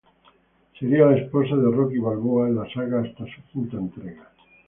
Sería la esposa de Rocky Balboa en la saga hasta su quinta entrega.